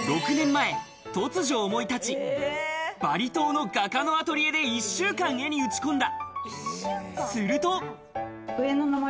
６年前、突如思い立ちバリ島の画家のアトリエで１週間、絵に打ち込んだ。